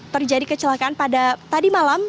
terjadi kecelakaan pada tadi malam